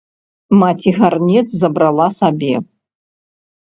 Маці гарнец забрала сабе.